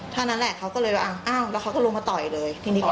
เท่านั้นแหละเขาก็เลยแบบอ้าวแล้วเขาก็ลงมาต่อยเลยทีนี้